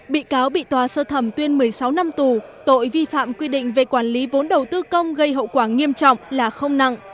bị cáo bị tòa sơ thẩm tuyên một mươi sáu năm tù tội vi phạm quy định về quản lý vốn đầu tư công gây hậu quả nghiêm trọng là không nặng